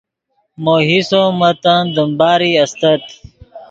مو حصو متن دیم باری استت